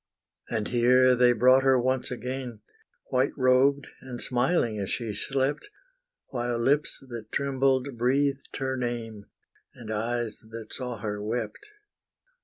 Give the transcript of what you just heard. And here they brought her once again, White robed, and smiling as she slept; While lips, that trembled, breathed her name, And eyes that saw her wept.